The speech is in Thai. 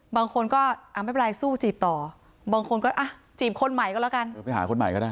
บางคนก็เปล่าสู้ยี่บต่อบางคนเอาละจีบคนใหม่ก็แล้วกัน